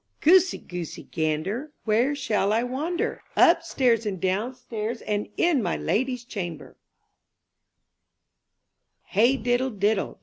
^OOSEY, Goosey, Gander, ^^ Where shall I wander? Upstairs and downstairs. And in my lady*s chamber H EY diddle diddle.